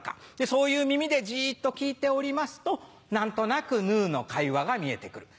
そういう耳でじっと聴いておりますと何となくヌーの会話が見えて来る。